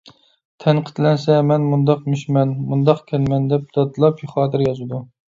تەنقىدلەنسە مەن مۇنداقمىشمەن، مۇنداقكەنمەن دەپ دادلاپ خاتىرە يازىدۇ.